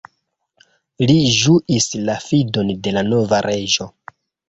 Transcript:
Li ĝuis la fidon de la nova reĝo.